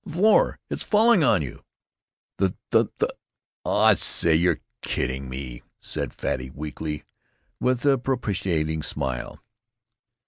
"The floor 's falling on you!" "Th—th——Aw, say, you're kidding me," said Fatty, weakly, with a propitiating smile.